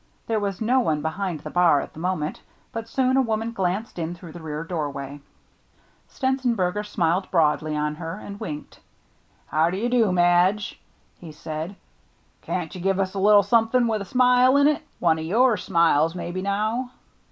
There was no one behind the bar at the moment, but soon a woman glanced in through the rear doorway. Stenzenberger smiled broadly on her, and 52 THE MERRT ANNE winked. " How d' do, Madge," he said. " Can't you give us a little something with a smile in it, — one o' your smiles maybe now?"